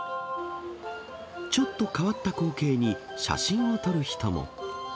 ちょっと変わった光景に、写真を撮る人も。